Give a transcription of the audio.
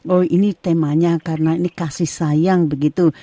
oh ini temanya karena ini kasih sayang begitu